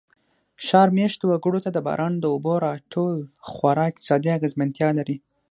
ښار مېشتو وګړو ته د باران د اوبو را ټول خورا اقتصادي اغېزمنتیا لري.